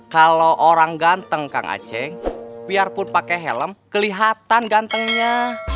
kalau orang ganteng kang aceh biarpun pakai helm kelihatan gantengnya